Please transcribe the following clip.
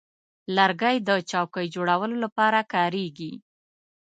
لرګی د چوکۍ جوړولو لپاره کارېږي.